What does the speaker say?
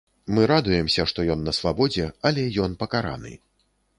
Мы радуемся, што ён на свабодзе, але ён пакараны.